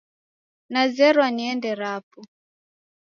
Nazerwa niende rapo